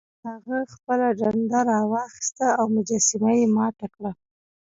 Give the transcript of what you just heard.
هغه خپله ډنډه راواخیسته او مجسمه یې ماته کړه.